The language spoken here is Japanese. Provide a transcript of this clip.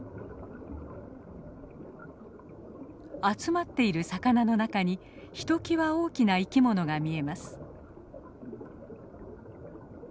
集まっている魚の中にひときわ大きな生きものが見えます。